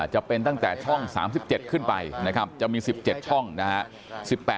จะเป็นตั้งแต่ช่อง๓๗ขึ้นไปนะครับจะมี๑๗ช่องนะฮะ